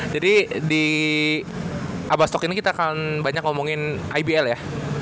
jadi di abastalk ini kita akan banyak ngomongin ibl ya